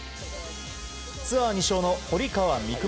ツアー２勝の堀川未来